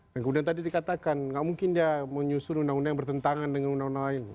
kemudian tadi dikatakan nggak mungkin dia menyusun undang undang yang bertentangan dengan undang undang lain